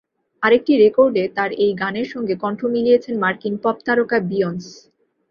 আরেকটি রেকর্ডে তাঁর এই গানের সঙ্গে কণ্ঠ মিলিয়েছেন মার্কিন পপতারকা বিয়ন্স।